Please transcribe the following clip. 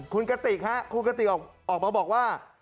คุณกฤตติดฮะคุณกฤตติดออกมาบอกว่า